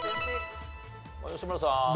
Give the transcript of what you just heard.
吉村さんね。